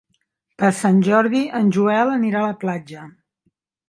Per Sant Jordi en Joel anirà a la platja.